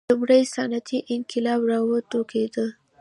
لومړنی صنعتي انقلاب را وټوکېد.